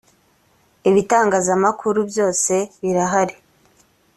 ibitangazamakuru byose birahari.